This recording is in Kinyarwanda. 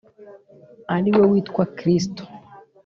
ari we witwa Kristo